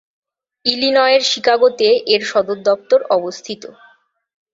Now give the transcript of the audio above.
ইলিনয়ের শিকাগোতে এর সদর দফতর অবস্থিত।